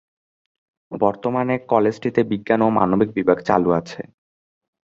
বর্তমানে কলেজটিতে বিজ্ঞান ও মানবিক বিভাগ চালু আছে।